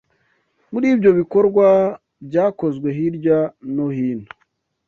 Muri ibyo bikorwa byakozwe hirya no hino